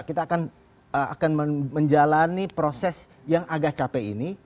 kita akan menjalani proses yang agak capek ini